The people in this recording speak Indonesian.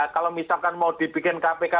kalau misalkan mau dibikin kpk